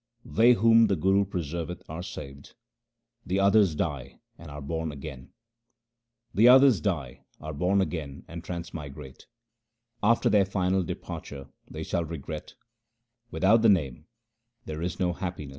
They whom the Guru preserveth are saved ; the others die and are born again ; The others die, are born again, and transmigrate ; after their final departure they shall regret ; without the Name there is no happiness.